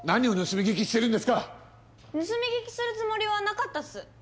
盗み聞きするつもりはなかったっす。